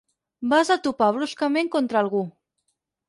Vas a topar bruscament contra algú.